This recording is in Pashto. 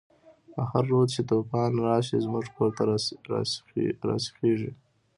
په هر رود چی توفان راشی، زموږ کور ته راسيخيږی